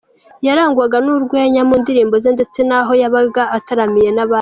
yarangwaga nurwenya mu ndirimbo ze ndetse naho yabaga ataramiye nabandi.